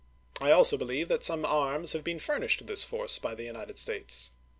I also believe that some arms have been furnished to this force by the United States.